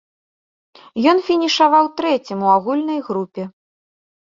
Ён фінішаваў трэцім у агульнай групе.